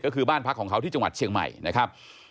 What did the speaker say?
ก็คือบ้านพักของเขาที่จังหวัดเชียงใหม่นะครับ